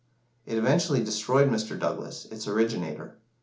It eventually destroyed Mr. Douglas, its originator.